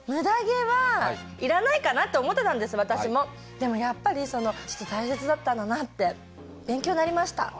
でもやっぱり大切だったんだなって勉強になりました。